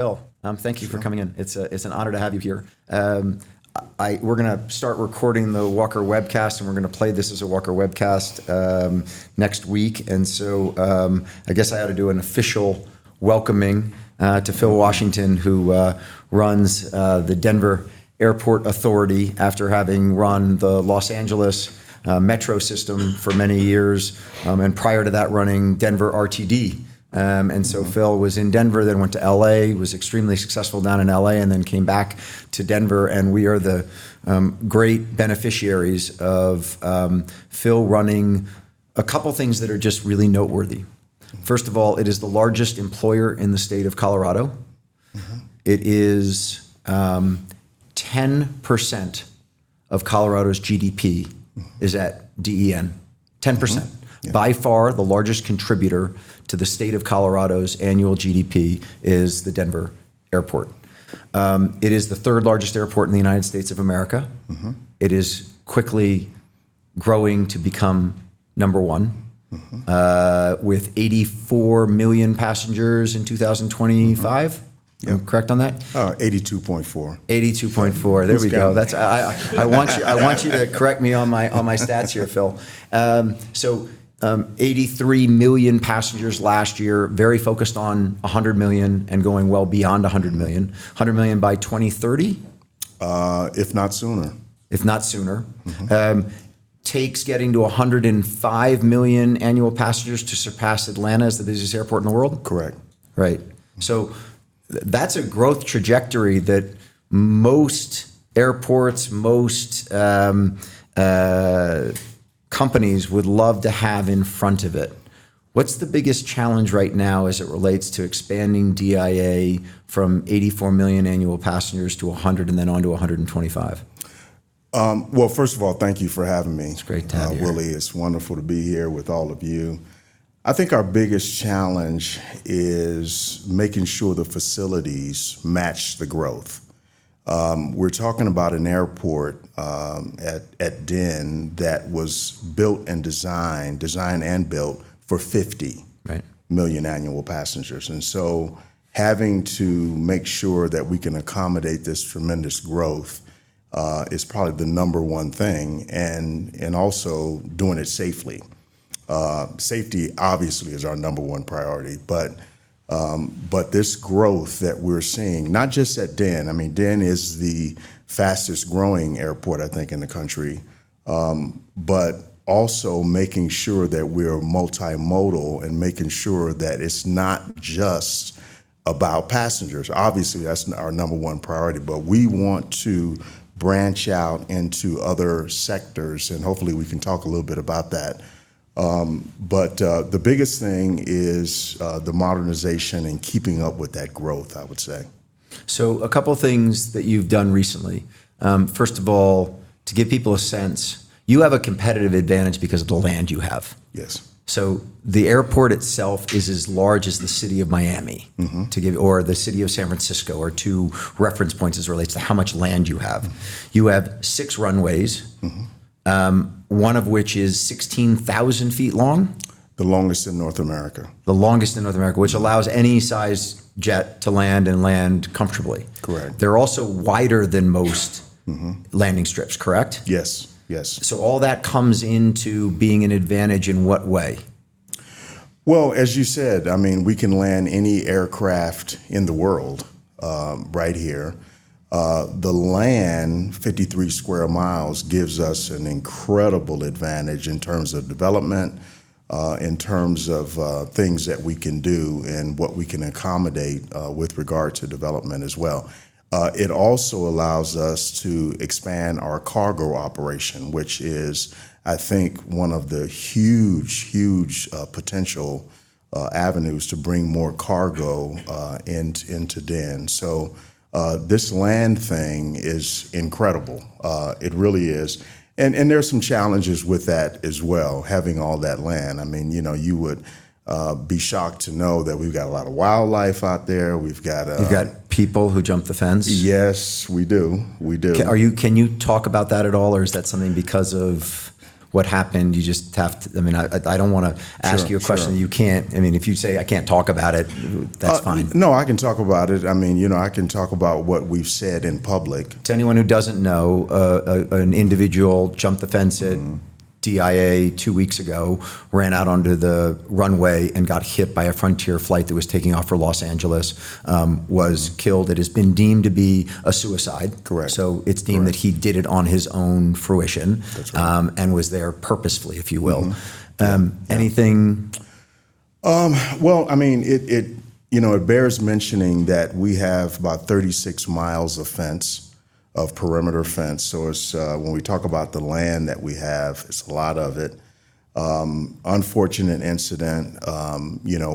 Phil, thank you for coming in. Sure. It's an honor to have you here. We're going to start recording the Walker Webcast, and we're going to play this as a Walker Webcast next week. I guess I ought to do an official welcoming to Phil Washington, who runs the Denver Airport Authority after having run the Los Angeles metro system for many years. Prior to that, running Denver RTD. Phil was in Denver, then went to L.A., was extremely successful down in L.A., then came back to Denver. We are the great beneficiaries of Phil running a couple things that are just really noteworthy. First of all, it is the largest employer in the State of Colorado. It is 10% of Colorado's GDP is at DEN. 10%. Yeah. By far, the largest contributor to the State of Colorado's annual GDP is the Denver Airport. It is the third largest airport in the United States of America. It is quickly growing to become number one. With 84 million passengers in 2025? Am I correct on that? 82.4. 82.4. There we go. It's getting there. I want you to correct me on my stats here, Phil. 83 million passengers last year. Very focused on 100 million and going well beyond 100 million. 100 million by 2030? If not sooner. If not sooner. Takes getting to 105 million annual passengers to surpass Atlanta as the busiest airport in the world? Correct. Right. That's a growth trajectory that most airports, most companies would love to have in front of it. What's the biggest challenge right now as it relates to expanding DIA from 84 million annual passengers to 100 million and then on to 125 million? Well, first of all, thank you for having me. It's great to have you here. Really, it's wonderful to be here with all of you. I think our biggest challenge is making sure the facilities match the growth. We're talking about an airport at DEN that was designed and built for 50- Right million annual passengers. Having to make sure that we can accommodate this tremendous growth is probably the number one thing. Also doing it safely. Safety, obviously, is our number one priority. This growth that we're seeing, not just at DEN, I mean, DEN is the fastest growing airport, I think, in the country. Also making sure that we are multimodal and making sure that it's not just about passengers. Obviously, that's our number one priority, but we want to branch out into other sectors, and hopefully, we can talk a little bit about that. The biggest thing is the modernization and keeping up with that growth, I would say. A couple things that you've done recently. First of all, to give people a sense, you have a competitive advantage because of the land you have. Yes. The airport itself is as large as the City of Miami. The City of San Francisco are two reference points as it relates to how much land you have. You have six runways. One of which is 16,000 ft long. The longest in North America. The longest in North America. Which allows any size jet to land and land comfortably. Correct. They're also wider than most landing strips, correct? Yes. All that comes into being an advantage in what way? Well, as you said, we can land any aircraft in the world right here. The land, 53 sq mi, gives us an incredible advantage in terms of development, in terms of things that we can do, and what we can accommodate with regard to development as well. It also allows us to expand our cargo operation, which is, I think, one of the huge potential avenues to bring more cargo into DEN. This land thing is incredible. It really is. There are some challenges with that as well, having all that land. You would be shocked to know that we've got a lot of wildlife out there. You've got people who jump the fence. Yes, we do. Can you talk about that at all, or is that something, because of what happened, you just have to? I don't want to ask you. Sure a question that you can't. If you say, "I can't talk about it," that's fine. No, I can talk about it. I can talk about what we've said in public. To anyone who doesn't know, an individual jumped the fence at DIA two weeks ago, ran out onto the runway, and got hit by a Frontier Flight that was taking off for Los Angeles. Was killed. It has been deemed to be a suicide. Correct. It's deemed that he did it on his own fruition. That's right. Was there purposefully, if you will? Mm-hmm. Yeah. Anything? Well, it bears mentioning that we have about 36 mi of fence, of perimeter fence. When we talk about the land that we have, it's a lot of it. Unfortunate incident.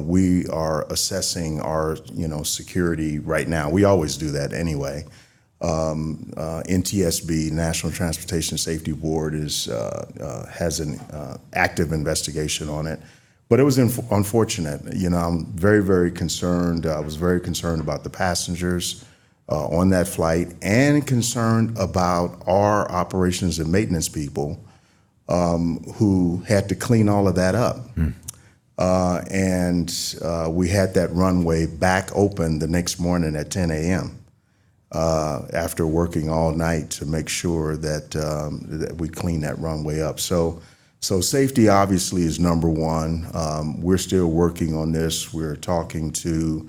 We are assessing our security right now. We always do that anyway. NTSB, National Transportation Safety Board, has an active investigation on it. It was unfortunate. I'm very concerned. I was very concerned about the passengers on that flight and concerned about our operations and maintenance people who had to clean all of that up. We had that runway back open the next morning at 10:00 A.M. after working all night to make sure that we cleaned that runway up. Safety obviously is number one. We're still working on this. We're talking to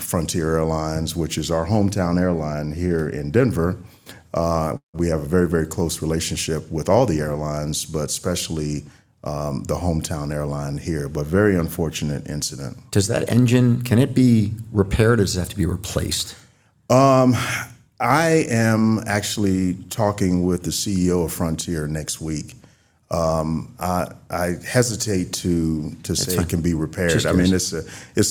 Frontier Airlines, which is our hometown airline here in Denver. We have a very close relationship with all the airlines, but especially the hometown airline here. Very unfortunate incident. Does that engine, can it be repaired, or does it have to be replaced? I am actually talking with the CEO of Frontier next week. I hesitate to say it can be repaired. tough. I mean, it's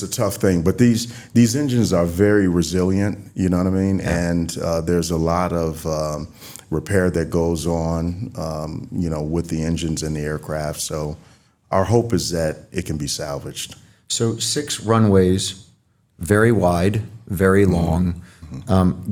a tough thing. These engines are very resilient. You know what I mean? Yeah. There's a lot of repair that goes on with the engines and the aircraft. Our hope is that it can be salvaged. six runways, very wide, very long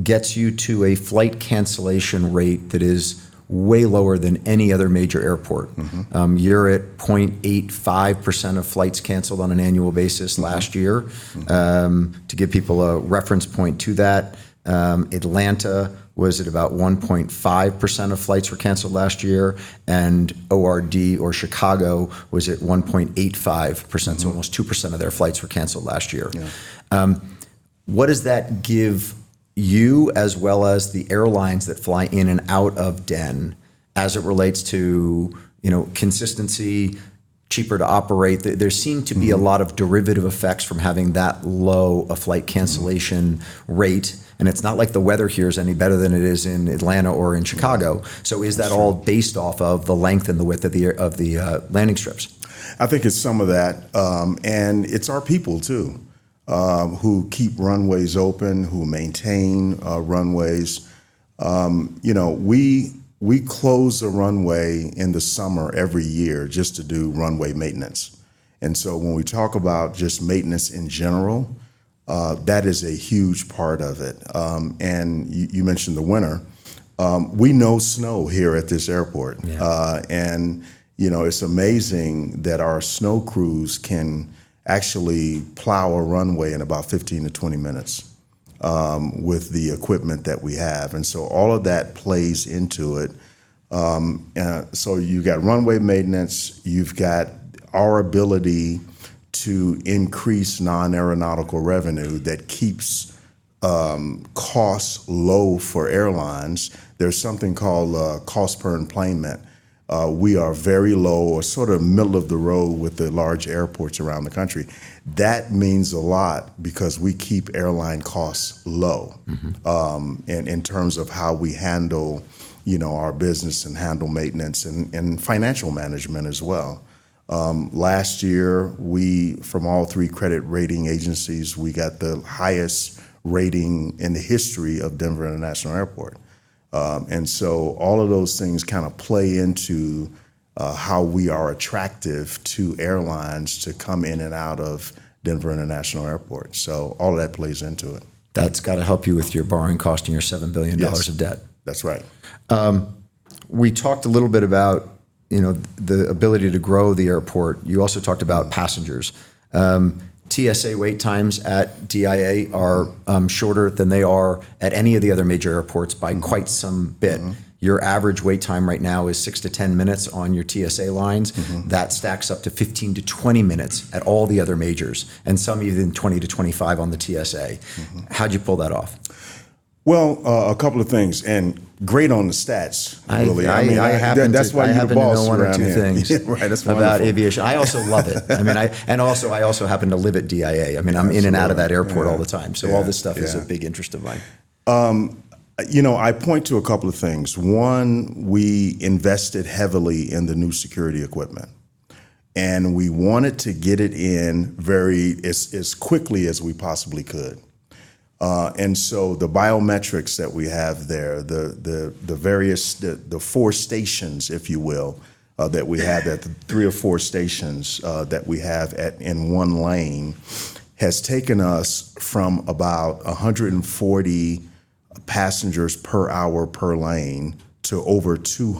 gets you to a flight cancellation rate that is way lower than any other major airport. You're at 0.85% of flights canceled on an annual basis last year. To give people a reference point to that, Atlanta was at about 1.5% of flights were canceled last year, and ORD or Chicago was at 1.85%. Almost 2% of their flights were canceled last year. Yeah. What does that give you as well as the airlines that fly in and out of DEN as it relates to consistency, cheaper to operate a lot of derivative effects from having that low a flight cancellation rate. It's not like the weather here is any better than it is in Atlanta or in Chicago. Is that all? Based off of the length and the width of the landing strips? I think it's some of that. It's our people too, who keep runways open, who maintain runways. We close a runway in the summer every year just to do runway maintenance. When we talk about just maintenance in general, that is a huge part of it. You mentioned the winter. We know snow here at this airport. Yeah. It's amazing that our snow crews can actually plow a runway in about 15-20 minutes with the equipment that we have. All of that plays into it. You got runway maintenance, you've got our ability to increase non-aeronautical revenue that keeps costs low for airlines. There's something called cost per enplanement. We are very low or sort of middle of the road with the large airports around the country. That means a lot because we keep airline costs low. In terms of how we handle our business and handle maintenance and financial management as well. Last year, from all three credit rating agencies, we got the highest rating in the history of Denver International Airport. All of those things kind of play into how we are attractive to airlines to come in and out of Denver International Airport. All of that plays into it. That's got to help you with your borrowing cost and your $7 billion of debt. Yes. That's right. We talked a little bit about the ability to grow the airport. You also talked about passengers. TSA wait times at DIA are shorter than they are at any of the other major airports by quite some bit. Your average wait time right now is 6-10 minutes on your TSA lines. That stacks up to 15-20 minutes at all the other majors, and some even 20-25 minutes on the TSA. How'd you pull that off? Well, a couple of things. Great on the stats, really. I happen to- That's why you're the boss and I'm here. Right. That's wonderful. know one or two things about aviation. I also love it. I also happen to live at DIA. Absolutely. I mean, I'm in and out of that airport all the time. Yeah. All this stuff is a big interest of mine. I point to a couple of things. One, we invested heavily in the new security equipment. We wanted to get it in as quickly as we possibly could. The biometrics that we have there, the four stations, if you will, that we have, the three or four stations that we have in one lane, has taken us from about 140 passengers per hour per lane to over 200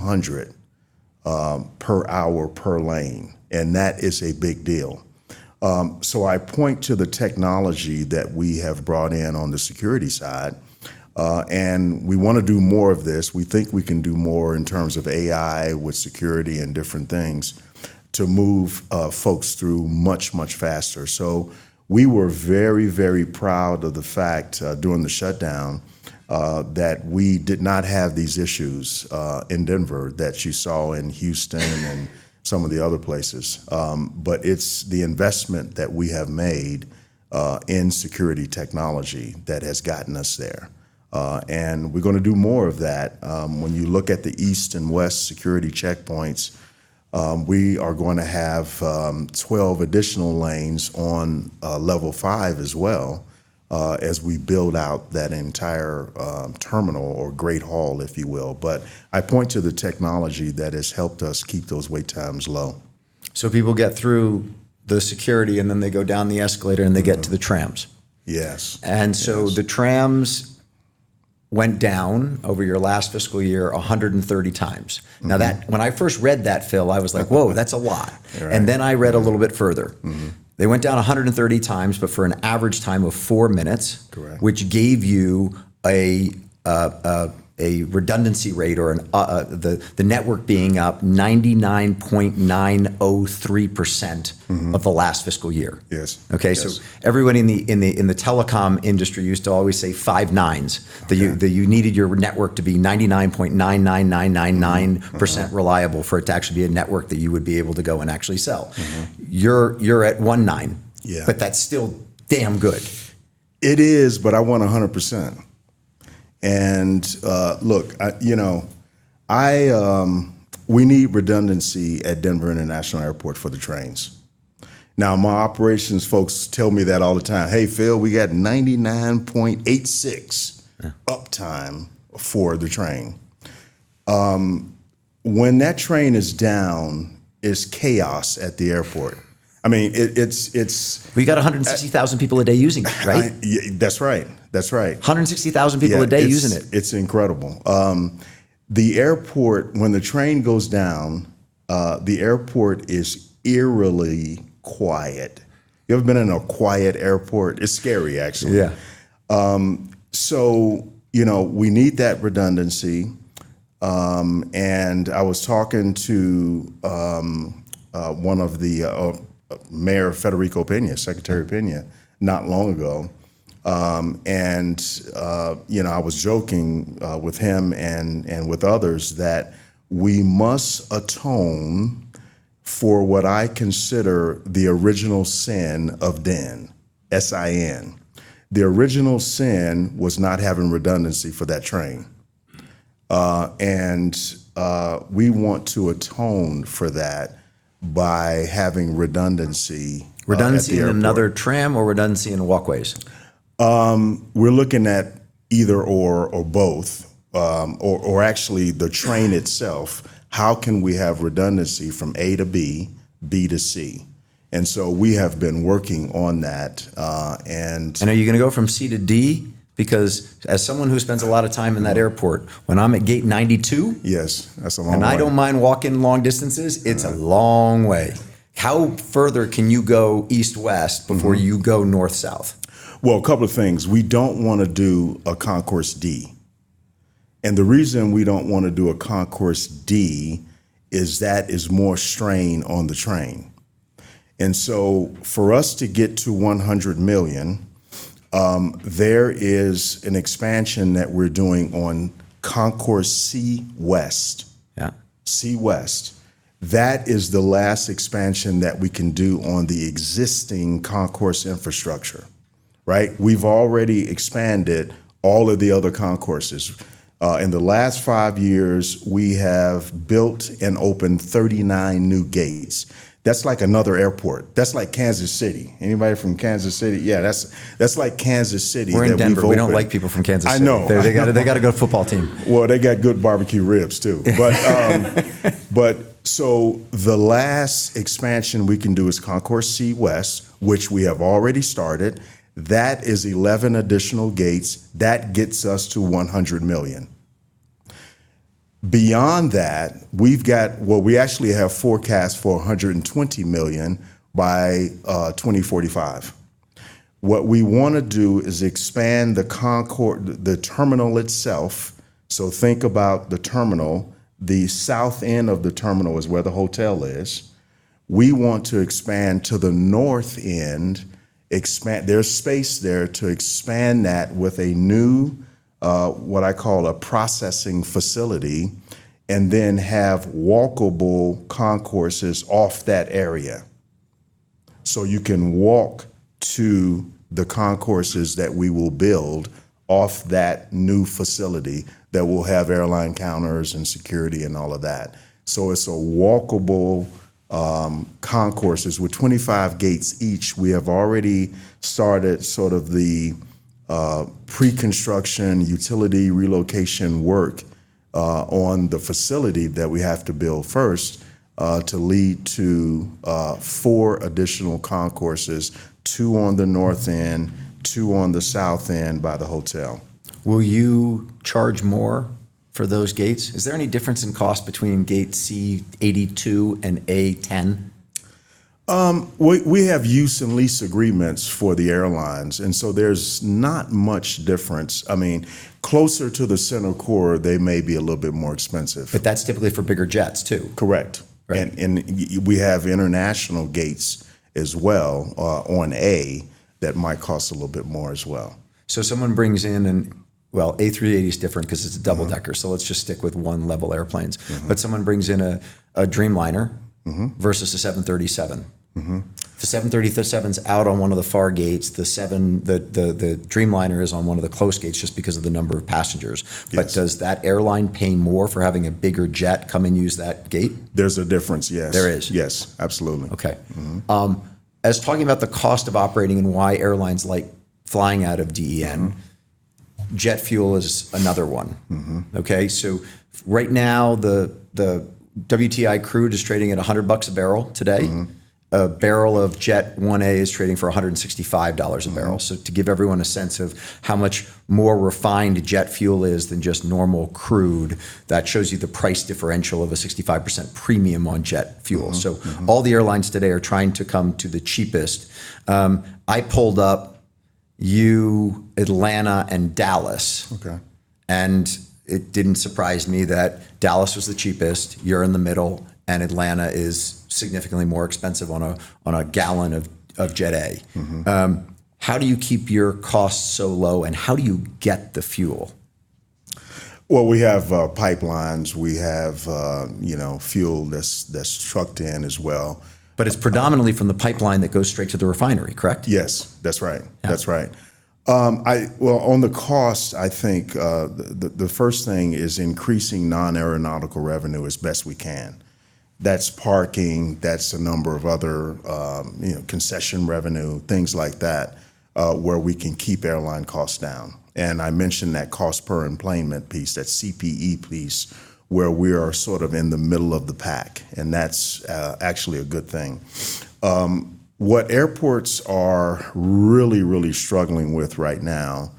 passengers per hour per lane. That is a big deal. I point to the technology that we have brought in on the security side. We want to do more of this. We think we can do more in terms of AI with security and different things to move folks through much faster. We were very proud of the fact, during the shutdown, that we did not have these issues in Denver that you saw in Houston and some of the other places. It's the investment that we have made in security technology that has gotten us there. We're going to do more of that. When you look at the east and west security checkpoints, we are going to have 12 additional lanes on Level 5 as well as we build out that entire terminal or great hall, if you will. I point to the technology that has helped us keep those wait times low. People get through the security, and then they go down the escalator to the trains. Yes. The trains went down over your last fiscal year 130 times. When I first read that, Phil, I was like, "Whoa, that's a lot. You're right. I read a little bit further. They went down 130 times, but for an average time of four minutes. Correct. Which gave you a redundancy rate, or the network being up 99.903% of the last fiscal year. Yes. Okay. Yes. Everyone in the telecom industry used to always say five nines. Okay. That you needed your network to be 99.99999% reliable for it to actually be a network that you would be able to go and actually sell. You're at one 9. Yeah. That's still damn good. It is, but I want 100%. Look, we need redundancy at Denver International Airport for the trains. Now, my operations folks tell me that all the time. "Hey, Phil, we got 99.86. Yeah uptime for the train." When that train is down, it's chaos at the airport. Well, you got 160,000 people a day using it, right? That's right. 160,000 people a day using it. Yeah. It's incredible. When the train goes down, the airport is eerily quiet. You ever been in a quiet airport? It's scary, actually. Yeah. We need that redundancy. I was talking to Mayor Federico Peña, Secretary Peña, not long ago. I was joking with him and with others that we must atone for what I consider the original sin of DEN, S-I-N. The original sin was not having redundancy for that train. We want to atone for that by having redundancy at the airport. Redundancy in another train or redundancy in walkways? We're looking at either or both. Actually, the train itself, how can we have redundancy from A to B to C? We have been working on that. Are you going to go from C to D? As someone who spends a lot of time in that airport, when I'm at Gate 92. Yes. That's a long way I don't mind walking long distances, it's a long way. How further can you go east-west before you go north-south? Well, a couple of things. We don't want to do a Concourse D. The reason we don't want to do a Concourse D is that is more strain on the train. For us to get to 100 million, there is an expansion that we're doing on Concourse C West. Yeah. C-West. That is the last expansion that we can do on the existing concourse infrastructure. We've already expanded all of the other concourses. In the last five years, we have built and opened 39 new gates. That's like another airport. That's like Kansas City. Anybody from Kansas City? Yeah, that's like Kansas City that we've opened. We're in Denver. We don't like people from Kansas City. I know. They got a good football team. Well, they got good barbecue ribs, too. The last expansion we can do is Concourse C West, which we have already started. That is 11 additional gates. That gets us to 100 million. Beyond that, we actually have forecast for 120 million by 2045. What we want to do is expand the terminal itself. Think about the terminal. The south end of the terminal is where the hotel is. We want to expand to the north end. There's space there to expand that with a new, what I call, a processing facility, and then have walkable concourses off that area. You can walk to the concourses that we will build off that new facility that will have airline counters and security and all of that. It's a walkable concourses with 25 gates each. We have already started sort of the pre-construction utility relocation work on the facility that we have to build first to lead to four additional concourses, two on the north end, two on the south end by the hotel. Will you charge more for those gates? Is there any difference in cost between Gate C82 and A10? We have use and lease agreements for the airlines. There's not much difference. Closer to the center core, they may be a little bit more expensive. That's typically for bigger jets, too. Correct. Right. We have international gates as well, on A, that might cost a little bit more as well. Someone brings in an Well, A380 is different because it's a double-decker, so let's just stick with one-level airplanes. Someone brings in a Dreamliner versus a 737. The 737's out on one of the far gates, the Dreamliner is on one of the close gates just because of the number of passengers. Yes. Does that airline pay more for having a bigger jet come and use that gate? There's a difference, yes. There is. Yes, absolutely. Okay. As talking about the cost of operating and why airlines like flying out of DEN jet fuel is another one. Okay. Right now, the WTI crude is trading at $100 a barrel today. A barrel of Jet A-1 is trading for $165 a barrel. To give everyone a sense of how much more refined jet fuel is than just normal crude, that shows you the price differential of a 65% premium on jet fuel. All the airlines today are trying to come to the cheapest. I pulled up Atlanta and Dallas. Okay. It didn't surprise me that Dallas was the cheapest, you're in the middle, and Atlanta is significantly more expensive on a gallon of Jet A. How do you keep your costs so low, and how do you get the fuel? Well, we have pipelines. We have fuel that's trucked in as well. It's predominantly from the pipeline that goes straight to the refinery, correct? Yes, that's right. Yeah. That's right. Well, on the cost, I think, the first thing is increasing non-aeronautical revenue as best we can. That's parking, that's a number of other concession revenue, things like that, where we can keep airline costs down. I mentioned that cost per enplanement piece, that CPE piece, where we are sort of in the middle of the pack, and that's actually a good thing. What airports are really struggling with right now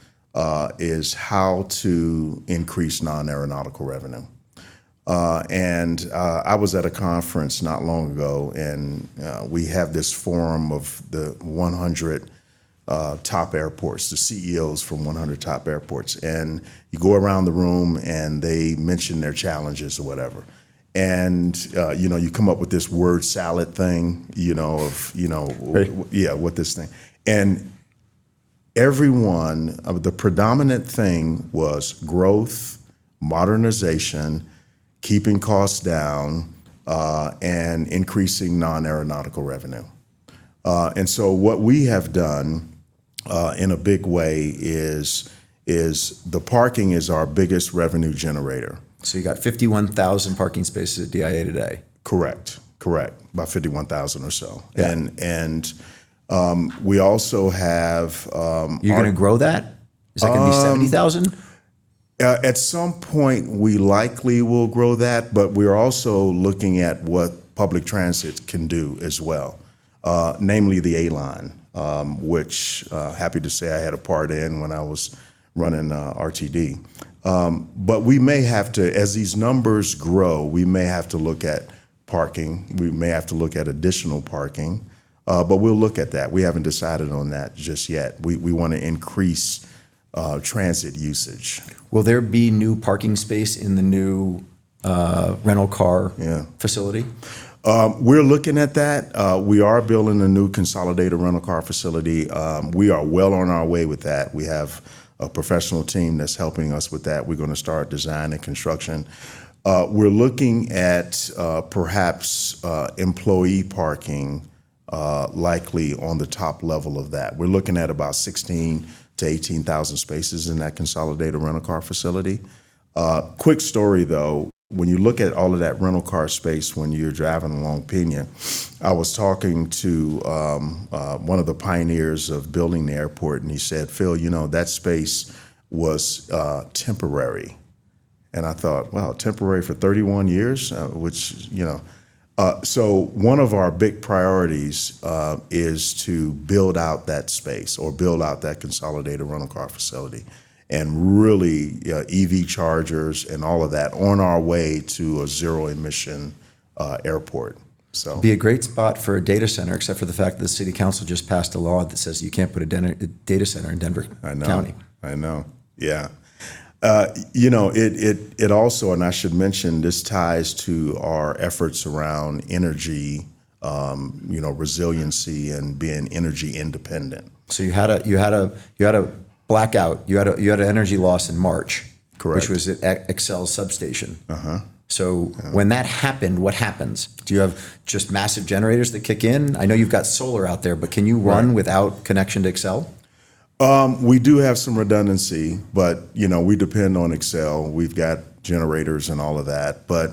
is how to increase non-aeronautical revenue. I was at a conference not long ago, and we have this forum of the 100 top airports, the CEOs from 100 top airports. You go around the room, and they mention their challenges or whatever. You come up with this word salad thing. Right Every one of the predominant thing was growth, modernization, keeping costs down, and increasing non-aeronautical revenue. What we have done in a big way is the parking is our biggest revenue generator. You got 51,000 parking spaces at DIA today. Correct. About 51,000 or so. Yeah. And we also have- You going to grow that? Is that going to be 70,000? At some point, we likely will grow that, but we're also looking at what public transit can do as well. Namely the A Line. Which, happy to say, I had a part in when I was running RTD. We may have to, as these numbers grow, we may have to look at parking. We may have to look at additional parking. We'll look at that. We haven't decided on that just yet. We want to increase transit usage. Will there be new parking space in the new rental car? Yeah facility? We're looking at that. We are building a new consolidated rental car facility. We are well on our way with that. We have a professional team that's helping us with that. We're going to start design and construction. We're looking at perhaps employee parking likely on the top level of that. We're looking at about 16,000 to 18,000 spaces in that consolidated rental car facility. Quick story, though. When you look at all of that rental car space when you're driving along Peña, I was talking to one of the pioneers of building the airport, and he said, "Phil, you know that space was temporary." I thought, "Wow, temporary for 31 years?" Which, you know. One of our big priorities is to build out that space or build out that consolidated rental car facility. Really, EV chargers and all of that on our way to a zero emission airport. It'd be a great spot for a data center, except for the fact that the City Council just passed a law that says you can't put a data center in Denver. I know. County. I know. Yeah. It also, and I should mention, this ties to our efforts around energy resiliency and being energy independent. You had a blackout. You had a energy loss in March. Correct. Which was at Xcel substation. When that happened, what happens? Do you have just massive generators that kick in? I know you've got solar out there, but can you run without connection to Xcel? We do have some redundancy, but we depend on Xcel. We've got generators and all of that, but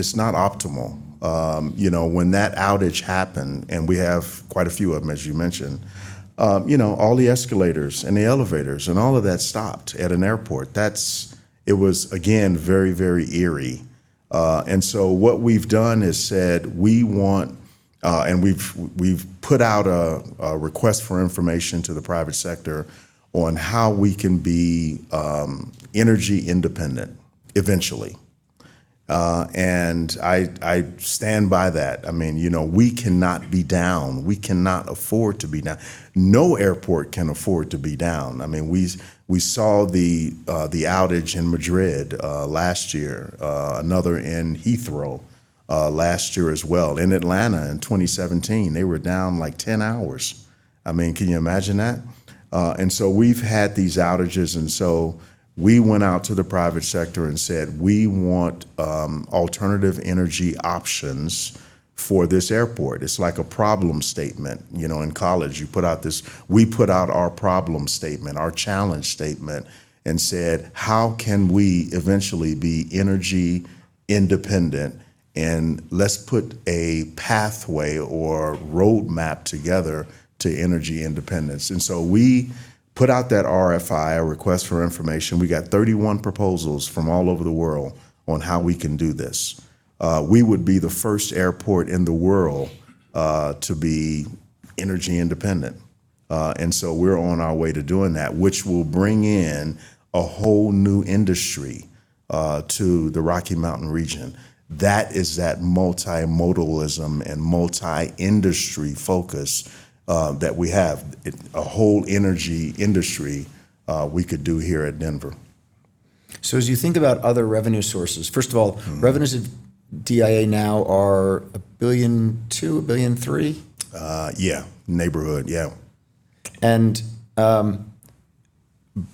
it's not optimal. When that outage happened, and we have quite a few of them as you mentioned, all the escalators and the elevators and all of that stopped at an airport. It was, again, very, very eerie. What we've done is said we want, and we've put out a request for information to the private sector on how we can be energy independent eventually. I stand by that. We cannot be down. We cannot afford to be down. No airport can afford to be down. We saw the outage in Madrid last year. Another in Heathrow last year as well. In Atlanta in 2017, they were down, like, 10 hours. Can you imagine that? We've had these outages, we went out to the private sector and said we want alternative energy options for this airport. It's like a problem statement. In college, we put out our problem statement, our challenge statement, and said, "How can we eventually be energy independent? Let's put a pathway or roadmap together to energy independence." We put out that RFI, a request for information. We got 31 proposals from all over the world on how we can do this. We would be the first airport in the world to be energy independent. We're on our way to doing that, which will bring in a whole new industry to the Rocky Mountain region. That is that multimodalism and multi-industry focus that we have. A whole energy industry we could do here at Denver. As you think about other revenue sources, first of all, revenues at DIA now are $1.2 billion, $1.3 billion? Yeah. Neighborhood, yeah.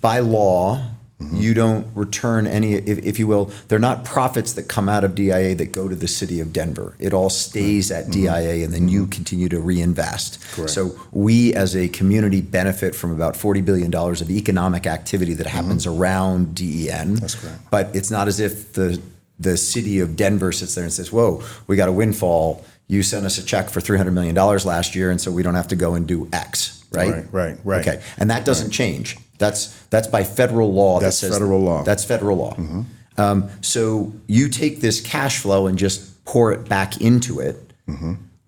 By law, you don't return any, if you will. They're not profits that come out of DIA that go to the City of Denver. It all stays at DIA, and then you continue to reinvest. Correct. We, as a community, benefit from about $40 billion of economic activity that happens around DEN. That's correct. It's not as if the City of Denver sits there and says, "Whoa, we got a windfall. You sent us a check for $300 million last year, and so we don't have to go and do X." Right? Right. Okay. That doesn't change. That's by federal law that says. That's federal law. that's federal law. You take this cashflow and just pour it back into it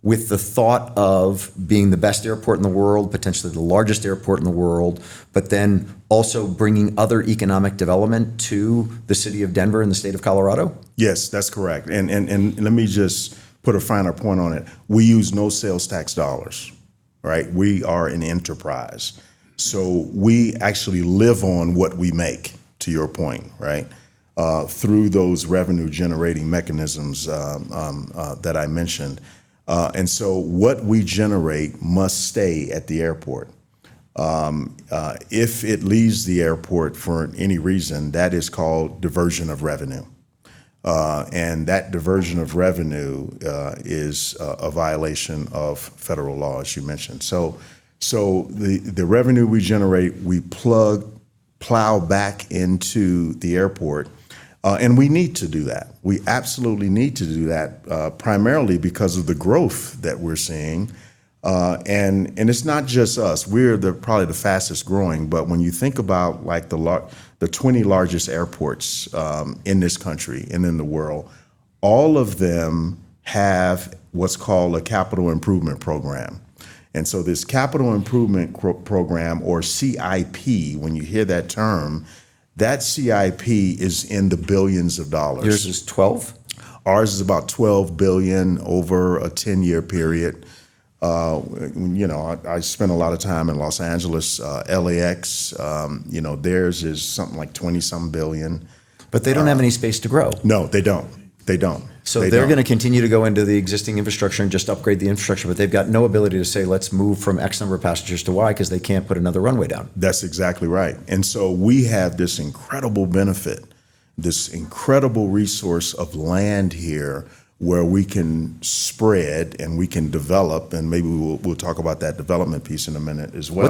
with the thought of being the best airport in the world, potentially the largest airport in the world, but then also bringing other economic development to the City of Denver and the State of Colorado? Yes, that's correct. Let me just put a finer point on it. We use no sales tax dollars. We are an enterprise. We actually live on what we make, to your point. Through those revenue-generating mechanisms that I mentioned. What we generate must stay at the airport. If it leaves the airport for any reason, that is called diversion of revenue. That diversion of revenue is a violation of federal law, as you mentioned. The revenue we generate, we plow back into the airport. We need to do that. We absolutely need to do that, primarily because of the growth that we're seeing. It's not just us. We're probably the fastest growing, but when you think about the 20 largest airports in this country and in the world, all of them have what's called a capital improvement program. This Capital Improvement Program, or CIP, when you hear that term, that CIP is in the billions of dollars. Yours is 12? Ours is about $12 billion over a 10-year period. I spent a lot of time in Los Angeles. LAX, theirs is something like $20-some billion. They don't have any space to grow. No, they don't. They're going to continue to go into the existing infrastructure and just upgrade the infrastructure, but they've got no ability to say, "Let's move from X number of passengers to Y," because they can't put another runway down. That's exactly right. We have this incredible benefit, this incredible resource of land here where we can spread and we can develop, and maybe we'll talk about that development piece in a minute as well.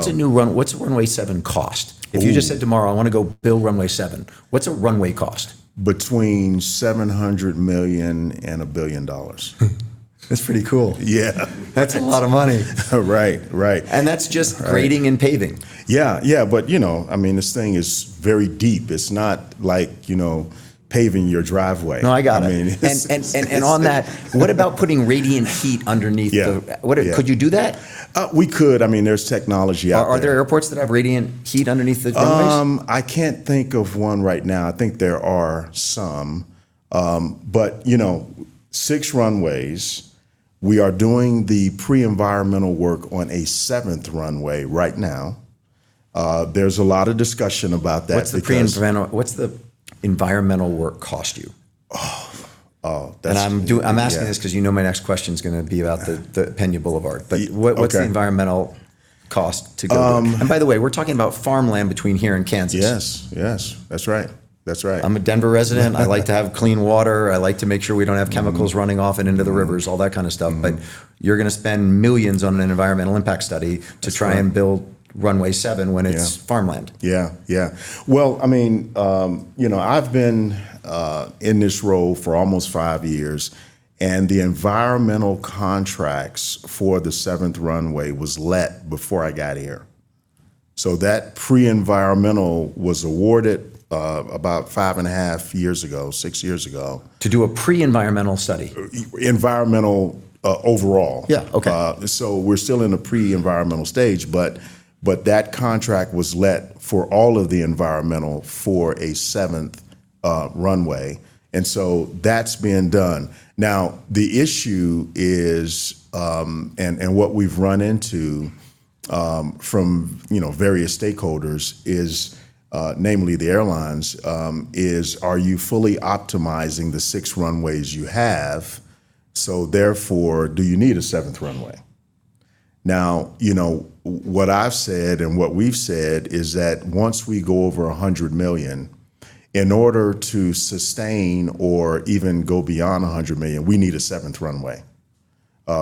What's runway seven cost? If you just said tomorrow, "I want to go build Runway 7," what's a runway cost? Between $700 million and $1 billion. That's pretty cool. Yeah. That's a lot of money. Right. That's just grading and paving. Yeah. This thing is very deep. It's not like paving your driveway. No, I got it. I mean. On that, what about putting radiant heat underneath? Yeah could you do that? We could. There's technology out there. Are there airports that have radiant heat underneath the runways? I can't think of one right now. I think there are some. Six runways. We are doing the pre-environmental work on a seventh runway right now. There's a lot of discussion about that. What's the environmental work cost you? I'm asking this because you know my next question's going to be about the Peña Boulevard. Okay. What's the environmental cost to go? By the way, we're talking about farmland between here and Kansas. Yes. That's right. I'm a Denver resident. I like to have clean water. I like to make sure we don't have chemicals running off and into the rivers, all that kind of stuff. You're going to spend millions on an environmental impact study to try and build Runway 7 when it's farmland. Well, I've been in this role for almost five years, and the environmental contracts for the seventh runway was let before I got here. That pre-environmental was awarded about five and a half years ago, six years ago. To do a pre-environmental study? Environmental overall. Yeah. Okay. We're still in the pre-environmental stage, but that contract was let for all of the environmental for a seventh runway. That's being done. The issue is, and what we've run into from various stakeholders is, namely the airlines, is are you fully optimizing the six runways you have? Therefore, do you need a seventh runway? What I've said and what we've said is that once we go over 100 million, in order to sustain or even go beyond 100 million, we need a seventh runway.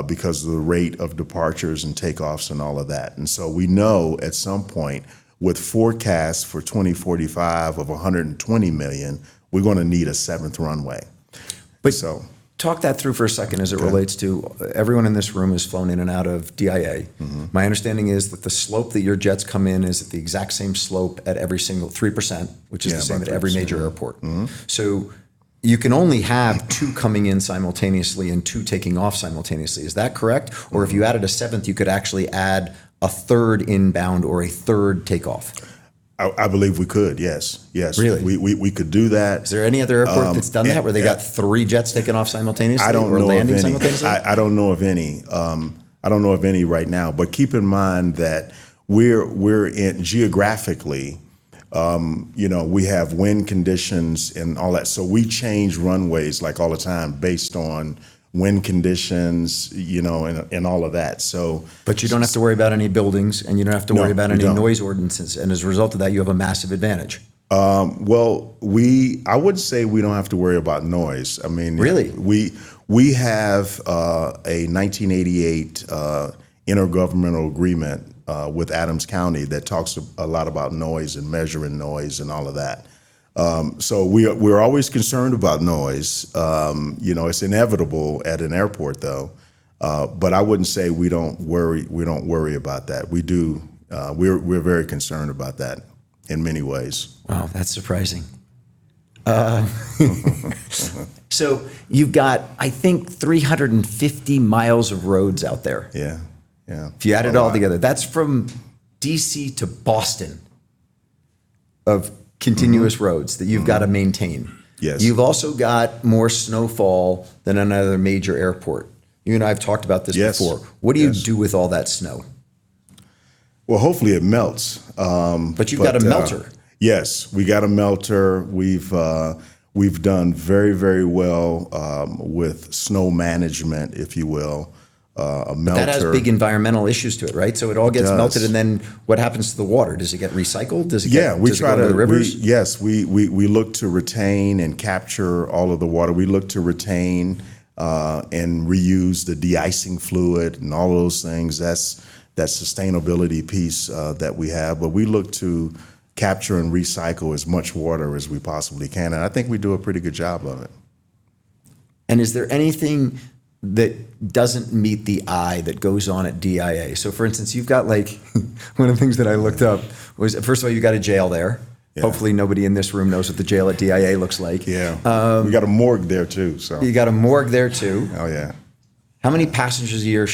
Because of the rate of departures and takeoffs and all of that. We know at some point, with forecasts for 2045 of 120 million, we're going to need a seventh runway. Talk that through for a second as it relates to everyone in this room has flown in and out of DIA. My understanding is that the slope that your jets come in is at the exact same slope at every single 3%, which is the same at every major airport. You can only have two coming in simultaneously and two taking off simultaneously. Is that correct? If you added a seventh, you could actually add a third inbound or a third takeoff? I believe we could, yes. Really? We could do that. Is there any other airport that's done that where they got three jets taking off simultaneously or landing simultaneously? I don't know of any. I don't know of any right now. Keep in mind that geographically, we have wind conditions and all that, so we change runways all the time based on wind conditions and all of that. You don't have to worry about any buildings. No, we don't. any noise ordinances. As a result of that, you have a massive advantage. Well, I would say we don't have to worry about noise. Really? We have a 1988 intergovernmental agreement with Adams County that talks a lot about noise and measuring noise and all of that. We're always concerned about noise. It's inevitable at an airport, though. I wouldn't say we don't worry about that. We do. We're very concerned about that in many ways. Wow, that's surprising. You've got, I think, 350 mi of roads out there. Yeah if you add it all together. That's from DC to Boston of continuous roads that you've got to maintain. Yes. You've also got more snowfall than any other major airport. You and I have talked about this before. Yes. What do you do with all that snow? Well, hopefully it melts. You've got a melter. Yes. We got a melter. We've done very well with snow management, if you will. That adds big environmental issues to it, right? It does. It all gets melted, and then what happens to the water? Does it get recycled? Does it go to the rivers? Yes. We look to retain and capture all of the water. We look to retain and reuse the de-icing fluid and all of those things. That's sustainability piece that we have. We look to capture and recycle as much water as we possibly can, and I think we do a pretty good job of it. Is there anything that doesn't meet the eye that goes on at DIA? For instance, you've got like one of the things that I looked up was, first of all, you've got a jail there. Yeah. Hopefully, nobody in this room knows what the jail at DIA looks like. Yeah. We got a morgue there, too. You got a morgue there, too. Oh, yeah. How many passengers a year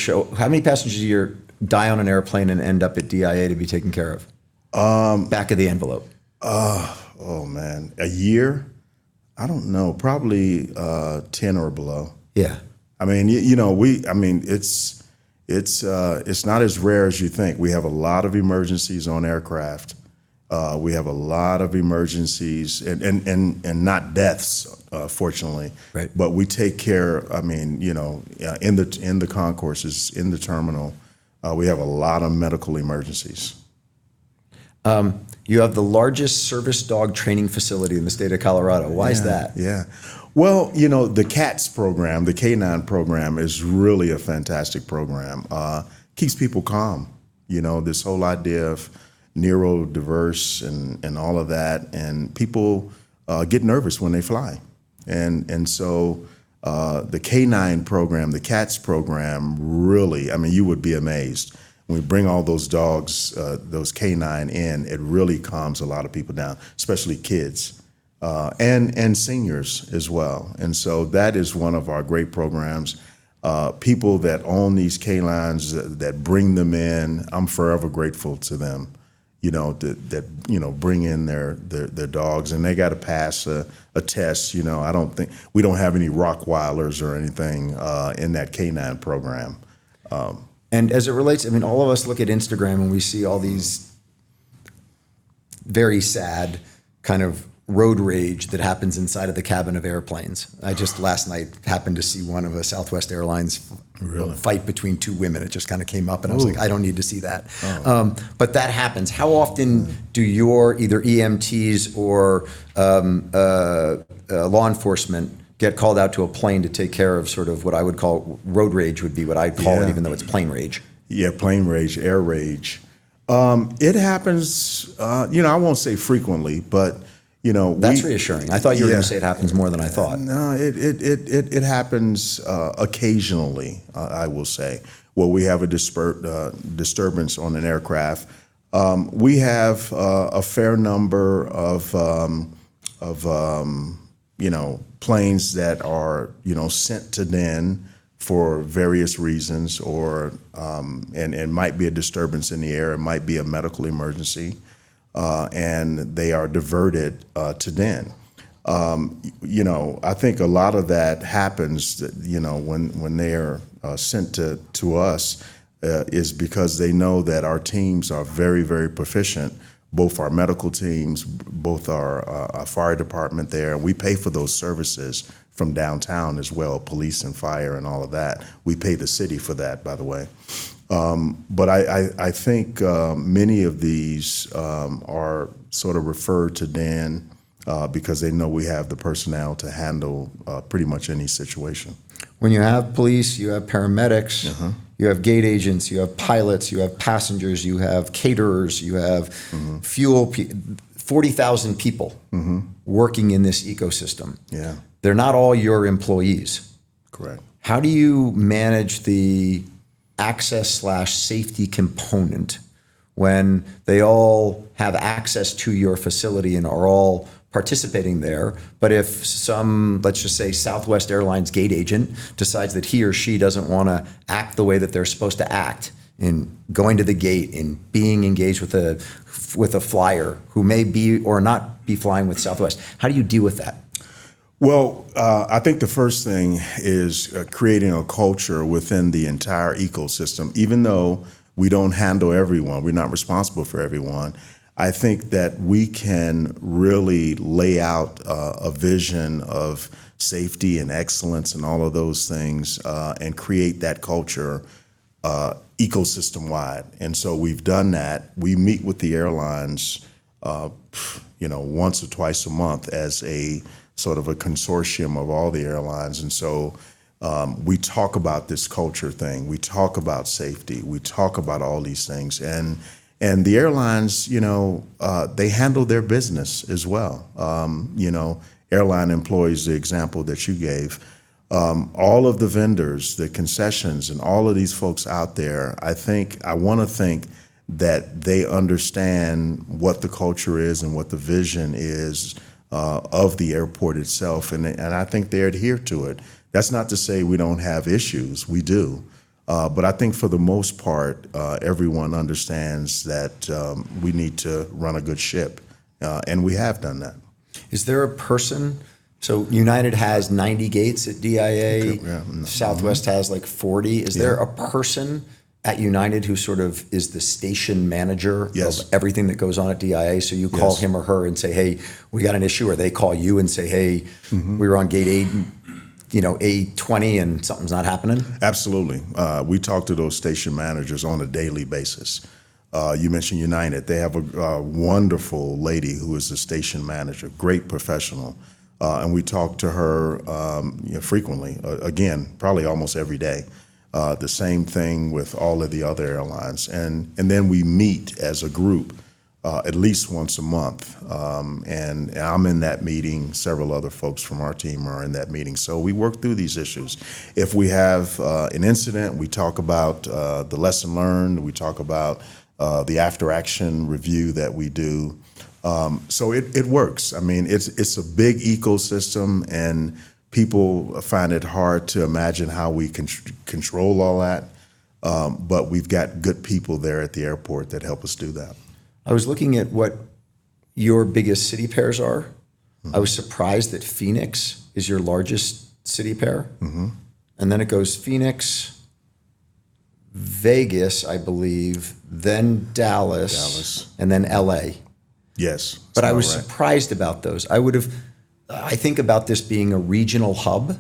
die on an airplane and end up at DIA to be taken care of? Back of the envelope. Oh, man. A year? I don't know. Probably 10 or below. Yeah. It's not as rare as you think. We have a lot of emergencies on aircraft. We have a lot of emergencies, and not deaths fortunately. Right. We take care. In the concourses, in the terminal, we have a lot of medical emergencies. You have the largest service dog training facility in the State of Colorado. Yeah. Why is that? The CATS program, the K9 program, is really a fantastic program. Keeps people calm. This whole idea of neurodiverse and all of that, people get nervous when they fly. The K9 program, the CATS program, really, you would be amazed. When we bring all those dogs, those K9 in, it really calms a lot of people down, especially kids. Seniors as well. That is one of our great programs. People that own these K9s that bring them in, I'm forever grateful to them that bring in their dogs. They got to pass a test. We don't have any rottweilers or anything in that K9 program. As it relates, all of us look at Instagram and we see all these very sad kind of road rage that happens inside of the cabin of airplanes. I just last night happened to see one of a Southwest Airlines. Really? fight between two women. It just came up and I was like I don't need to see that. That happens. How often do your either EMTs or law enforcement get called out to a plane to take care of what I would call road rage, would be what I'd call it even though it's plane rage? Yeah. Plane rage, air rage. It happens, I won't say frequently, but we- That's reassuring. I thought you were going to say it happens more than I thought. No. It happens occasionally, I will say, where we have a disturbance on an aircraft. We have a fair number of planes that are sent to DEN for various reasons. It might be a disturbance in the air, it might be a medical emergency. They are diverted to DEN. I think a lot of that happens when they're sent to us, is because they know that our teams are very proficient, both our medical teams, both our fire department there. We pay for those services from downtown as well, police and fire and all of that. We pay the city for that, by the way. I think many of these are referred to DEN because they know we have the personnel to handle pretty much any situation. When you have police, you have paramedics you have gate agents, you have pilots, you have passengers, you have caterers, you have fuel. 40,000 people working in this ecosystem. Yeah. They're not all your employees. Correct. How do you manage the access/safety component? When they all have access to your facility and are all participating there, but if some, let's just say Southwest Airlines gate agent decides that he or she doesn't want to act the way that they're supposed to act in going to the gate, in being engaged with a flyer who may or not be flying with Southwest, how do you deal with that? Well, I think the first thing is creating a culture within the entire ecosystem. Even though we don't handle everyone, we're not responsible for everyone, I think that we can really lay out a vision of safety and excellence and all of those things, and create that culture ecosystem-wide. We've done that. We meet with the airlines once or twice a month as a sort of a consortium of all the airlines. We talk about this culture thing, we talk about safety, we talk about all these things. The airlines, they handle their business as well. Airline employees, the example that you gave. All of the vendors, the concessions, and all of these folks out there, I want to think that they understand what the culture is and what the vision is of the airport itself, and I think they adhere to it. That's not to say we don't have issues. We do. I think for the most part, everyone understands that we need to run a good ship, and we have done that. United has 90 gates at DIA. They do, yeah. Mm-hmm. Southwest has, like, 40. Yeah. Is there a person at United who sort of is the station manager? Yes of everything that goes on at DIA? Yes. You call him or her and say, "Hey, we got an issue," or they call you and say. We were on gate 820 and something's not happening. Absolutely. We talk to those station managers on a daily basis. You mentioned United. They have a wonderful lady who is the station manager. Great professional. We talk to her frequently. Again, probably almost every day. The same thing with all of the other airlines. We meet as a group at least once a month. I'm in that meeting. Several other folks from our team are in that meeting. We work through these issues. If we have an incident, we talk about the lesson learned, we talk about the after-action review that we do. It works. It's a big ecosystem, and people find it hard to imagine how we control all that. We've got good people there at the airport that help us do that. I was looking at what your biggest city pairs are. I was surprised that Phoenix is your largest city pair. Then it goes Phoenix, Vegas, I believe, then Dallas. Dallas L.A. Yes. Sounds about right. I was surprised about those. I think about this being a regional hub.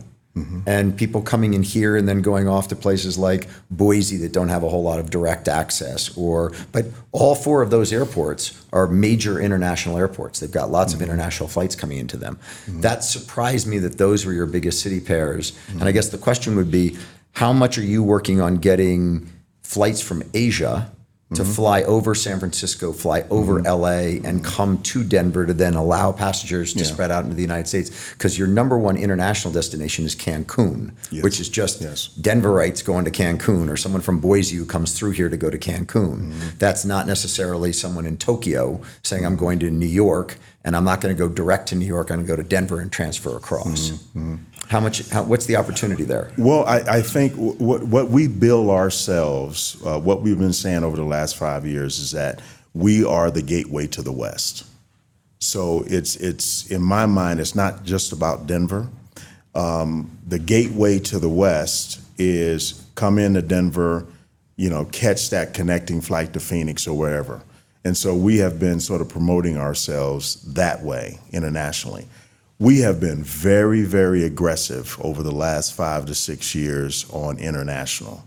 People coming in here and then going off to places like Boise that don't have a whole lot of direct access. All four of those airports are major international airports. They've got lots of international flights coming into them. That surprised me that those were your biggest city pairs. I guess the question would be, how much are you working on getting flights from Asia to fly over San Francisco, fly over L.A. Come to Denver to then allow passengers. Yeah to spread out into the United States? Because your number one international destination is Cancún. Yes. Which is just Denverites going to Cancún or someone from Boise who comes through here to go to Cancun. That's not necessarily someone in Tokyo saying, "I'm going to New York, and I'm not going to go direct to New York. I'm going to go to Denver and transfer across. What's the opportunity there? Well, I think what we bill ourselves, what we've been saying over the last five years is that we are the gateway to the West. In my mind, it's not just about Denver. The gateway to the West is come into Denver, catch that connecting flight to Phoenix or wherever. We have been sort of promoting ourselves that way internationally. We have been very, very aggressive over the last five to six years on international.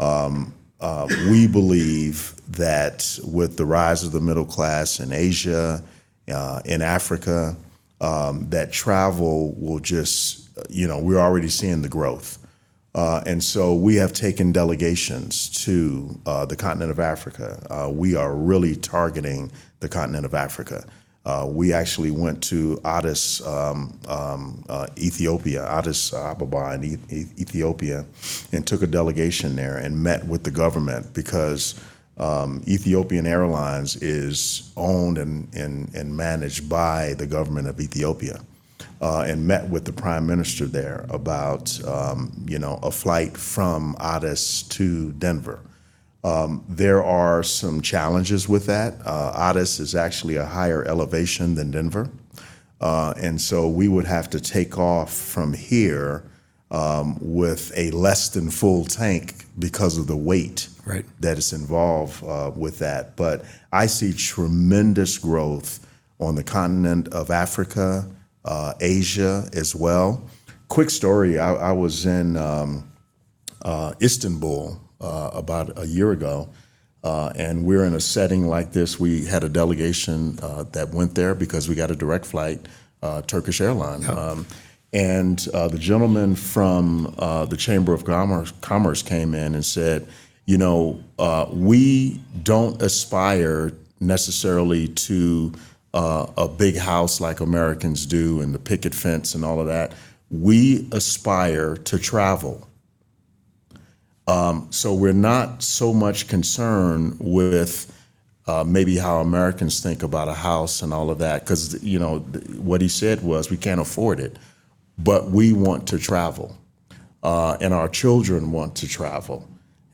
We believe that with the rise of the middle class in Asia, in Africa, that travel We're already seeing the growth. We have taken delegations to the continent of Africa. We are really targeting the continent of Africa. We actually went to Addis, Ethiopia. Addis Ababa in Ethiopia. Took a delegation there and met with the government because Ethiopian Airlines is owned and managed by the government of Ethiopia. Met with the Prime Minister there about a flight from Addis to Denver. There are some challenges with that. Addis is actually a higher elevation than Denver. We would have to take off from here with a less than full tank because of the weight- Right that is involved with that. I see tremendous growth on the continent of Africa. Asia as well. Quick story. I was in Istanbul about a year ago. We were in a setting like this. We had a delegation that went there because we got a direct flight, Turkish Airlines. The gentleman from the Chamber of Commerce came in and said, "We don't aspire necessarily to a big house like Americans do and the picket fence and all of that. We aspire to travel." We're not so much concerned with maybe how Americans think about a house and all of that, because what he said was, "We can't afford it, but we want to travel, and our children want to travel."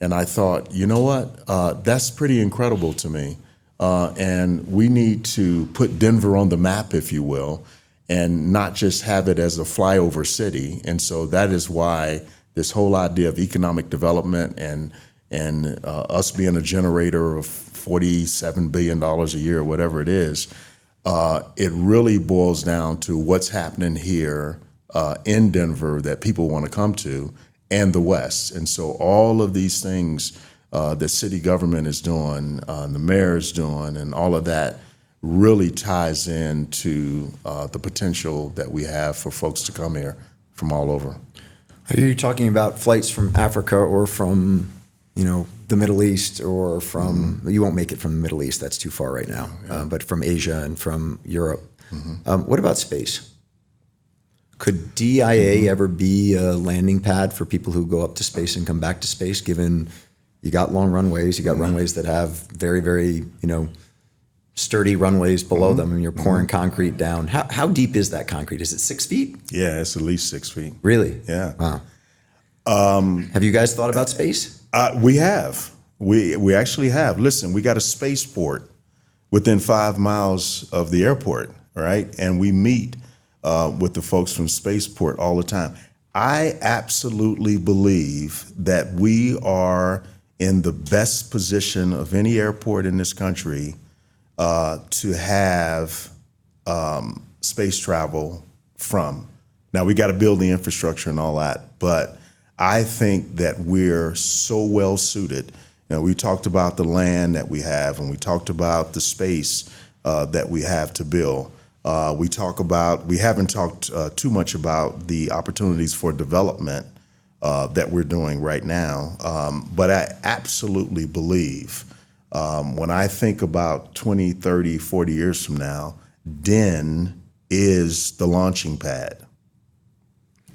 I thought, you know what? That's pretty incredible to me, and we need to put Denver on the map, if you will, and not just have it as a flyover city. That is why this whole idea of economic development and us being a generator of $47 billion a year, whatever it is, it really boils down to what's happening here in Denver that people want to come to, and the West. All of these things the city government is doing and the mayor is doing and all of that really ties into the potential that we have for folks to come here from all over. Are you talking about flights from Africa or from the Middle East? You won't make it from the Middle East. That's too far right now. Yeah. From Asia and from Europe. What about space? Could DIA ever be a landing pad for people who go up to space and come back to space, given you got long runways, you got runways that have very, very sturdy runways below them, and you're pouring concrete down. How deep is that concrete? Is it 6 ft? Yeah, it's at least 6 ft. Really? Yeah. Wow. Have you guys thought about space? We have. We actually have. Listen, we got a spaceport within 5 mi of the airport, right? We meet with the folks from spaceport all the time. I absolutely believe that we are in the best position of any airport in this country to have space travel from. We got to build the infrastructure and all that, but I think that we're so well-suited. We talked about the land that we have, and we talked about the space that we have to build. We haven't talked too much about the opportunities for development that we're doing right now, but I absolutely believe, when I think about 20, 30, 40 years from now, DEN is the launching pad.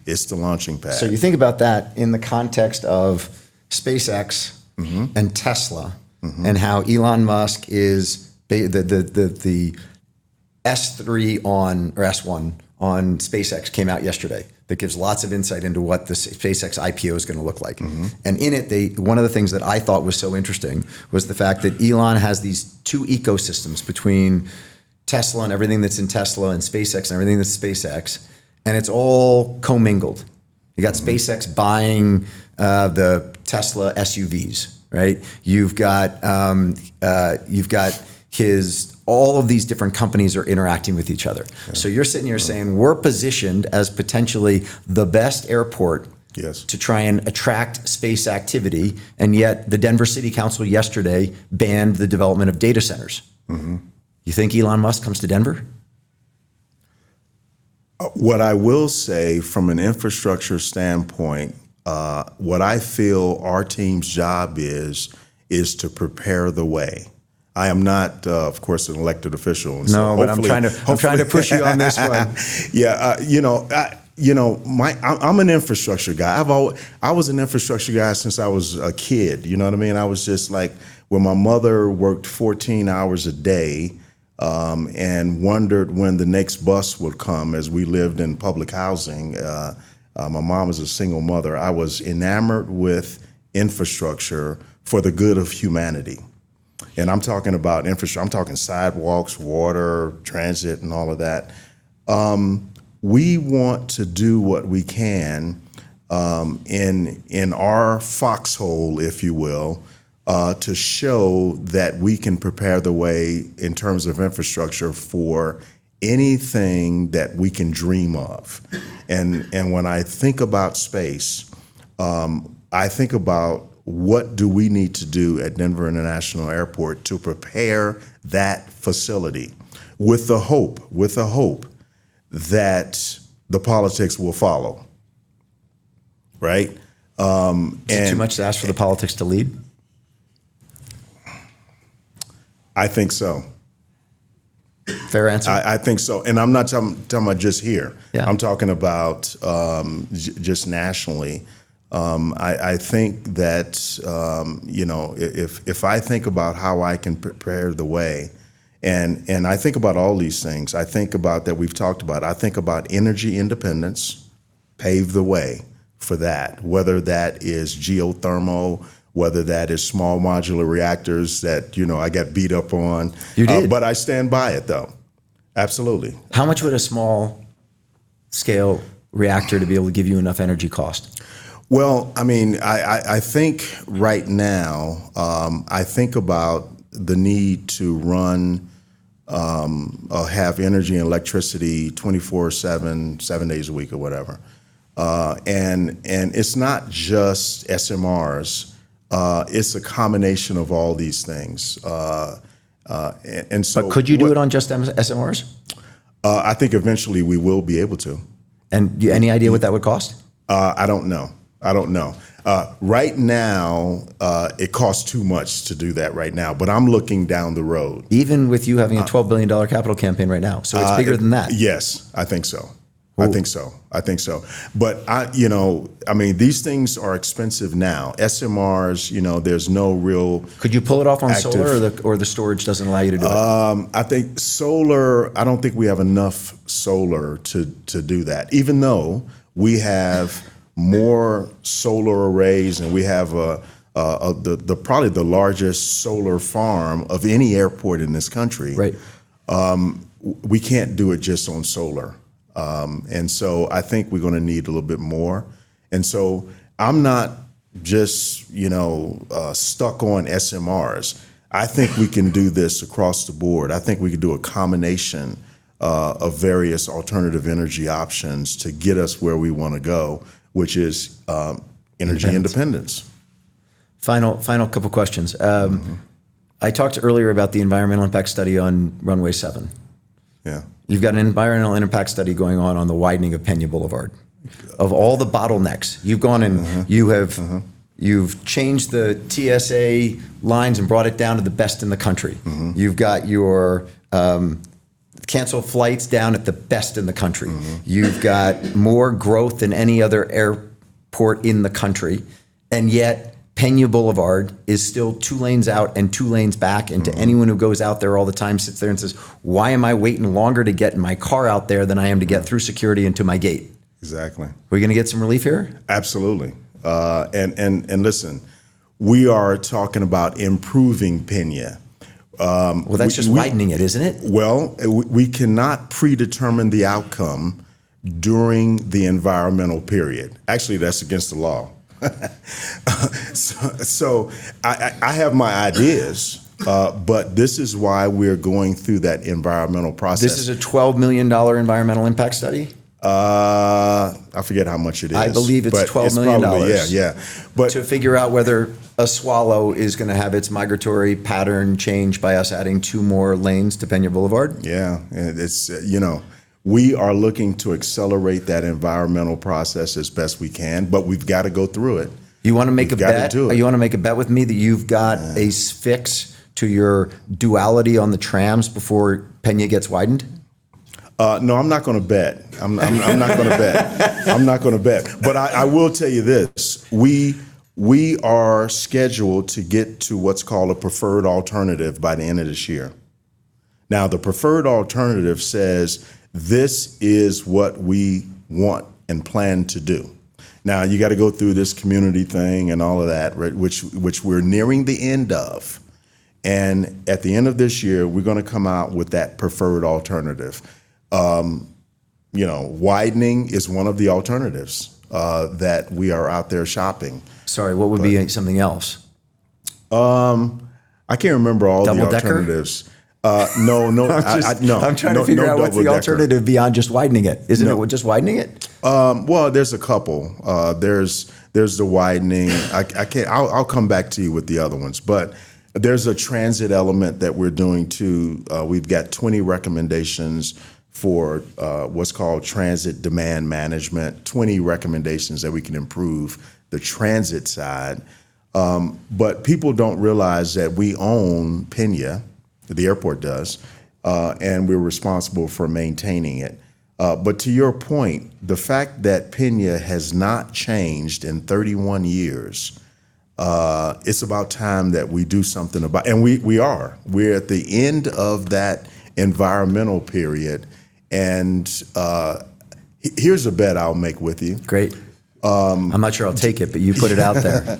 It's the launching pad. You think about that in the context of SpaceX and Tesla-how Elon Musk S-1 on SpaceX came out yesterday. That gives lots of insight into what the SpaceX IPO is going to look like. In it, one of the things that I thought was so interesting was the fact that Elon has these two ecosystems between Tesla and everything that's in Tesla, and SpaceX and everything that's SpaceX, and it's all co-mingled. You got SpaceX buying the Tesla SUVs, right? You've got all of these different companies are interacting with each other. Yeah. You're sitting here saying, we're positioned as potentially the best airport. Yes to try and attract space activity, and yet the Denver City Council yesterday banned the development of data centers. You think Elon Musk comes to Denver? What I will say from an infrastructure standpoint, what I feel our team's job is to prepare the way. I am not, of course, an elected official and so hopefully. No, I'm trying to push you on this one. Yeah. I'm an infrastructure guy. I was an infrastructure guy since I was a kid, you know what I mean? I was just like, when my mother worked 14 hours a day, and wondered when the next bus would come as we lived in public housing, my mom was a single mother, I was enamored with infrastructure for the good of humanity. I'm talking about infrastructure, I'm talking sidewalks, water, transit, and all of that. We want to do what we can in our foxhole, if you will, to show that we can prepare the way in terms of infrastructure for anything that we can dream of. When I think about space, I think about what do we need to do at Denver International Airport to prepare that facility with the hope that the politics will follow. Right? Is it too much to ask for the politics to lead? I think so. Fair answer. I think so. I'm not talking about just here. Yeah. I'm talking about just nationally. I think that if I think about how I can prepare the way, and I think about all these things, I think about that we've talked about. I think about energy independence, pave the way for that, whether that is geothermal, whether that is Small Modular Reactors that I get beat up on. You did. I stand by it, though. Absolutely. How much would a small scale reactor to be able to give you enough energy cost? Well, I think right now, about the need to run or have energy and electricity 24/7, seven days a week or whatever. It's not just SMRs, it's a combination of all these things. Could you do it on just SMRs? I think eventually we will be able to. Do you have any idea what that would cost? I don't know. Right now, it costs too much to do that right now. I'm looking down the road. Even with you having a $12 billion capital campaign right now. It's bigger than that. Yes, I think so. I think so. These things are expensive now. SMRs, there's no real. Could you pull it off? active solar or the storage doesn't allow you to do it? I think solar, I don't think we have enough solar to do that. Even though we have more solar arrays and we have probably the largest solar farm of any airport in this country. Right we can't do it just on solar. I think we're going to need a little bit more. I'm not just stuck on SMRs. I think we can do this across the board. I think we can do a combination of various alternative energy options to get us where we want to go. Independence energy independence. Final couple of questions. I talked earlier about the environmental impact study on Runway 7. Yeah. You've got an environmental impact study going on on the widening of Peña Boulevard. Of all the bottlenecks, you've gone. You've changed the TSA lines and brought it down to the best in the country. You've got your canceled flights down at the best in the country. You've got more growth than any other airport in the country, and yet Peña Boulevard is still two lanes out and two lanes back. To anyone who goes out there all the time, sits there and says, "Why am I waiting longer to get my car out there than I am to get through security into my gate? Exactly. Are we going to get some relief here? Absolutely. Listen, we are talking about improving Peña. Well, that's just widening it, isn't it? We cannot predetermine the outcome during the environmental period. Actually, that's against the law. I have my ideas, but this is why we're going through that environmental process. This is a $12 million environmental impact study? I forget how much it is. I believe it's $12 million. It's probably, yeah. To figure out whether a swallow is going to have its migratory pattern changed by us adding two more lanes to Peña Boulevard? Yeah. We are looking to accelerate that environmental process as best we can, but we've got to go through it. You want to make a bet? We've got to do it. you want to make a bet with me that you've got a fix to your duality on the trains before Peña gets widened? No, I'm not going to bet. I'm not going to bet. I will tell you this, we are scheduled to get to what's called a preferred alternative by the end of this year. The preferred alternative says this is what we want and plan to do. You've got to go through this community thing and all of that, right, which we're nearing the end of. At the end of this year, we're going to come out with that preferred alternative. Widening is one of the alternatives that we are out there shopping. Sorry, what would be something else? I can't remember all the alternatives. Double decker? No. I'm trying to figure out. No double decker. what the alternative beyond just widening it is. Isn't it just widening it? Well, there's a couple. There's the widening. I'll come back to you with the other ones. There's a transit element that we're doing too. We've got 20 recommendations for what's called transportation demand management, 20 recommendations that we can improve the transit side. People don't realize that we own Peña, the airport does, and we're responsible for maintaining it. To your point, the fact that Peña has not changed in 31 years, it's about time that we do something about it. We are. We're at the end of that environmental period. Here's a bet I'll make with you. Great. I'm not sure I'll take it, but you put it out there.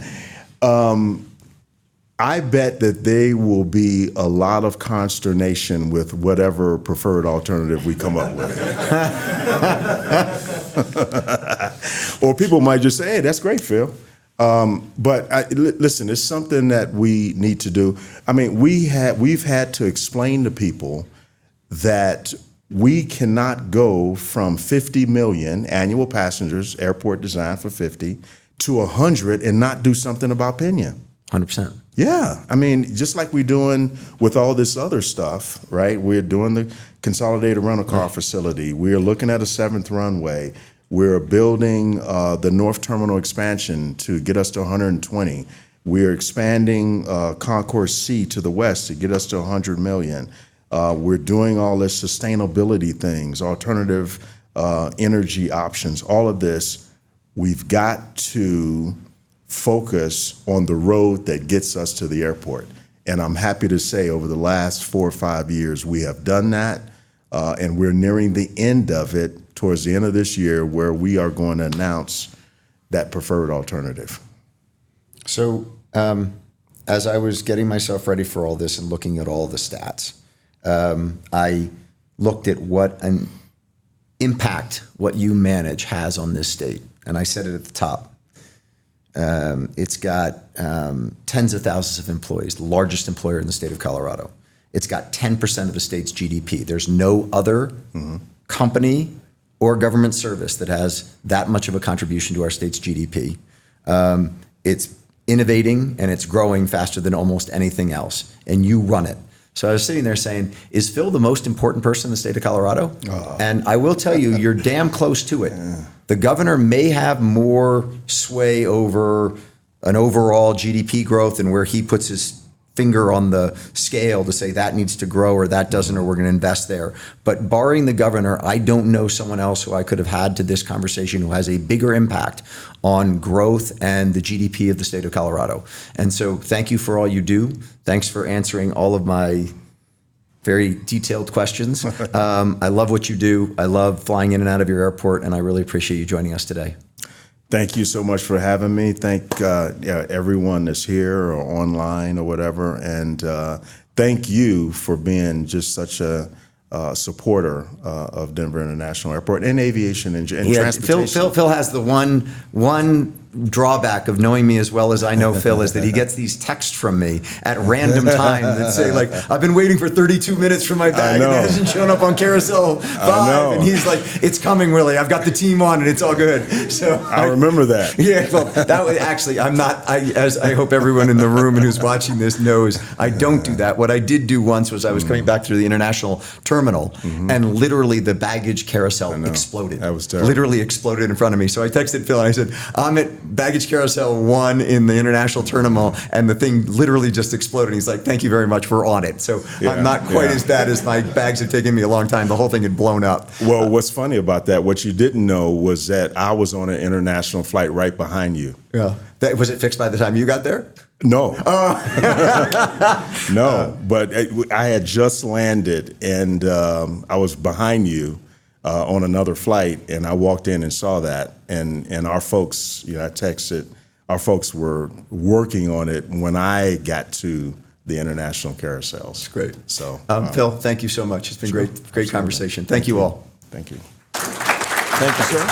I bet that there will be a lot of consternation with whatever preferred alternative we come up with. People might just say, "That's great, Phil." Listen, it's something that we need to do. We've had to explain to people that we cannot go from 50 million annual passengers, airport designed for 50, to 100 and not do something about Peña. 100%. Yeah. Just like we're doing with all this other stuff, right? We're doing the consolidated rent-a-car facility. We are looking at a seventh runway. We're building the north terminal expansion to get us to 120. We are expanding Concourse C to the west to get us to 100 million. We're doing all this sustainability things, alternative energy options, all of this. We've got to focus on the road that gets us to the airport. I'm happy to say, over the last four or five years, we have done that, and we're nearing the end of it towards the end of this year where we are going to announce that preferred alternative. As I was getting myself ready for all this and looking at all the stats, I looked at what impact what you manage has on this state, and I said it at the top. It's got tens of thousands of employees, the largest employer in the State of Colorado. It's got 10% of the state's GDP company or government service that has that much of a contribution to our state's GDP. It's innovating and it's growing faster than almost anything else, and you run it. I was sitting there saying, "Is Phil the most important person in the State of Colorado? I will tell you're damn close to it. The governor may have more sway over an overall GDP growth and where he puts his finger on the scale to say, "That needs to grow," or, "That doesn't," or, "We're going to invest there." Barring the governor, I don't know someone else who I could've had to this conversation who has a bigger impact on growth and the GDP of the State of Colorado. Thank you for all you do. Thanks for answering all of my very detailed questions. I love what you do. I love flying in and out of your airport, and I really appreciate you joining us today. Thank you so much for having me. Thank everyone that's here or online or whatever, thank you for being just such a supporter of Denver International Airport and aviation and transportation. Yeah. Phil has the one drawback of knowing me as well as I know Phil, is that he gets these texts from me at random times that say like, "I've been waiting for 32 minutes for my bag. I know. It hasn't shown up on Carousel 5. I know. He's like, "It's coming, really. I've got the team on it. It's all good. I remember that. Yeah. Well, that was Actually, I'm not, as I hope everyone in the room and who's watching this knows, I don't do that. What I did do once was I was coming back through the international terminal literally the baggage carousel I know. exploded. That was terrible. Literally exploded in front of me. I texted Phil and I said, "I'm at baggage Carousel 1 in the international terminal, and the thing literally just exploded." He's like, "Thank you very much. We're on it. Yeah. Yeah. I'm not quite as bad as my bags are taking me a long time. The whole thing had blown up. Well, what's funny about that, what you didn't know was that I was on an international flight right behind you. Yeah. Was it fixed by the time you got there? No. I had just landed and I was behind you on another flight, and I walked in and saw that. Our folks, I texted, our folks were working on it when I got to the international carousels. That's great. So. Phil, thank you so much. It's been great. It's been a great conversation. It's been great. Thank you all. Thank you.